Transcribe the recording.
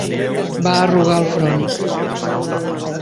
Va arrugar el front.